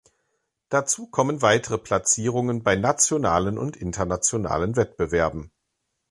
Dazu kommen weitere Platzierungen bei nationalen und internationalen Wettbewerben.